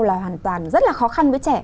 là hoàn toàn rất là khó khăn với trẻ